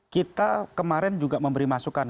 kita kemarin juga memberi masukan